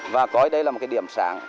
và có đây là một cái điểm sáng